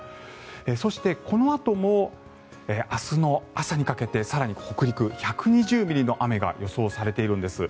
そして、このあとも明日の朝にかけて更に北陸、１２０ミリの雨が予想されているんです。